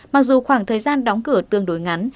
mặc dù khoảng thời gian đóng cửa tương đối ngắn